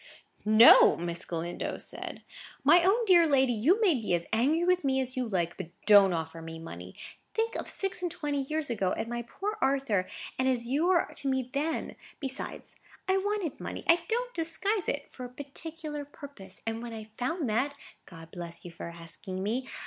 "No," Miss Galindo said; "my own dear lady, you may be as angry with me as you like, but don't offer me money. Think of six and twenty years ago, and poor Arthur, and as you were to me then! Besides, I wanted money—I don't disguise it—for a particular purpose; and when I found that (God bless you for asking me!)